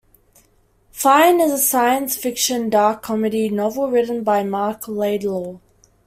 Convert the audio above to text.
Fine, is a science fiction dark comedy novel written by Marc Laidlaw.